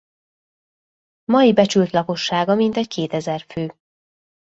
Mai becsült lakossága mintegy kétezer fő.